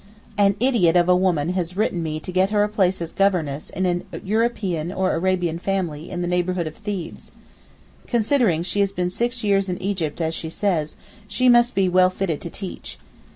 An idiot of a woman has written to me to get her a place as governess in an 'European or Arabian family in the neighbourhood of Thebes!' Considering she has been six years in Egypt as she says, she must be well fitted to teach.